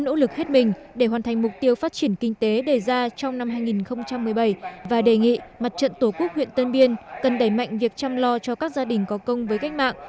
nỗ lực hết mình để hoàn thành mục tiêu phát triển kinh tế đề ra trong năm hai nghìn một mươi bảy và đề nghị mặt trận tổ quốc huyện tân biên cần đẩy mạnh việc chăm lo cho các gia đình có công với cách mạng